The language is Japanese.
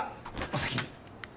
お先に。